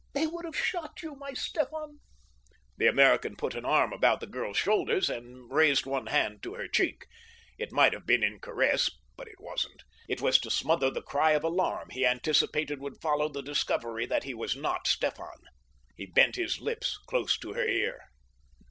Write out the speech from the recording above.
They would have shot you, my Stefan!" The American put an arm about the girl's shoulders, and raised one hand to her cheek—it might have been in caress, but it wasn't. It was to smother the cry of alarm he anticipated would follow the discovery that he was not "Stefan." He bent his lips close to her ear.